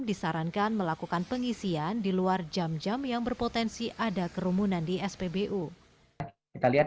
disarankan melakukan pengisian di luar jam jam yang berpotensi ada kerumunan di spbu kita lihat